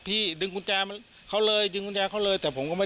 พี่ดึงกุญแจเขาเลยดึงกุญแจเขาเลย